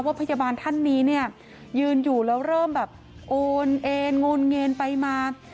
พยาบาลท่านนี้เนี่ยยืนอยู่แล้วเริ่มแบบโอนเอ็นโงนเงนไปมา